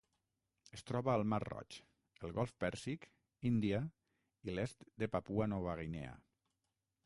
Es troba al Mar Roig, el Golf Pèrsic, Índia i l'est de Papua Nova Guinea.